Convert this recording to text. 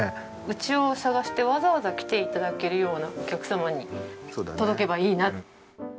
うちを探してわざわざ来て頂けるようなお客様に届けばいいな。